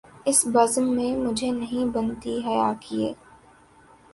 اس بزم میں مجھے نہیں بنتی حیا کیے